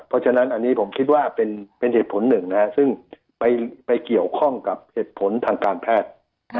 เพราะฉะนั้นอันนี้ผมคิดว่าเป็นเหตุผลหนึ่งซึ่งไปเกี่ยวข้องกับเหตุผลทางการแพทย์